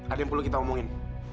ada yang perlu kita omongin